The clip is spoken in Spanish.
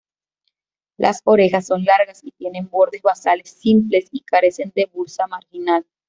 Las orejas son largas y tienen bordes basales simples y carecen de bursa marginal.